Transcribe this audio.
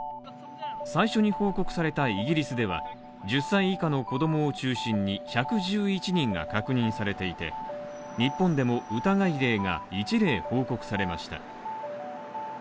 最初に報告されたイギリスでは１０歳以下の子供を中心に１１１人が確認されていて、日本でも、疑い例が１例報告されました。